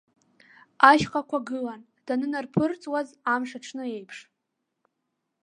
Ашьхақәа гылан, данынарԥырҵуаз амш аҽны аиԥш.